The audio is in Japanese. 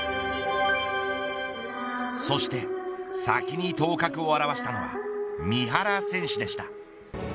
そして、先に頭角を現したのは三原選手でした。